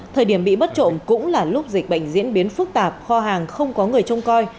thời điểm bị bất trộm cũng là lúc dịch bệnh diễn biến phức tạp kho hàng không có người trông coi